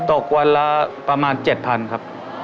ตกวันละประมาณเจ็ดพันครับ